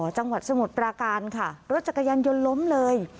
จังหวัดสมุทรปราการค่ะรถจักรยานยนต์ล้มเลย